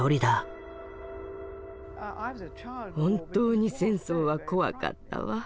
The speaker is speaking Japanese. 本当に戦争は怖かったわ。